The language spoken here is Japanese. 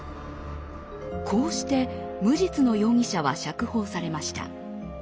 こうして無実の容疑者は釈放されました。